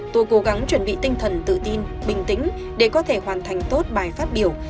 tôi cố gắng chuẩn bị tinh thần tự tin bình tĩnh để có thể hoàn thành tốt bài phát biểu